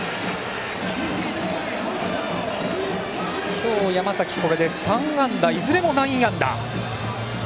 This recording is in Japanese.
今日、山崎はこれで３安打いずれも内野安打。